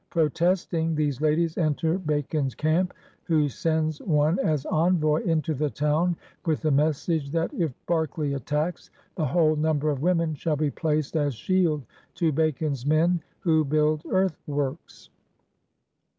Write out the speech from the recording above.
Protesting, these ladies enter Bacon's camp, who sends one as envoy into the town with the message that, if Berkeley attacks, the whole number of women shall be placed as shield to Bacon's men who build earthworks.